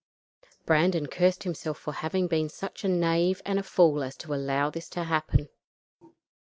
Brandon cursed himself for having been such a knave and fool as to allow this to happen.